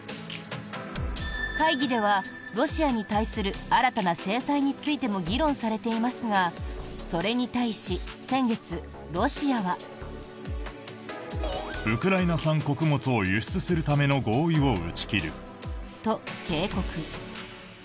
会議ではロシアに対する新たな制裁についても議論されていますがそれに対し先月、ロシアは。と、警告。